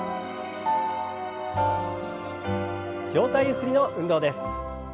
上体ゆすりの運動です。